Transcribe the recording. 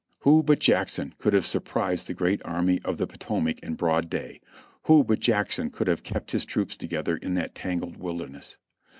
Who but Jackson could have surprised the great Army of the Potomac in broad day; who but Jackson could have kept his troops together in that tangled wilderness?